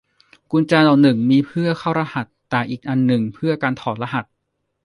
กุญแจดอกหนึ่งมีเพื่อเข้ารหัส แต่อีกอันหนึ่งเพื่อการถอดรหัส